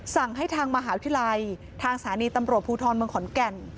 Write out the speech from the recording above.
สั่งให้ทางมหาวิทยาลัยทางสถานีตำรวจภูทรเมืองขอนแก่น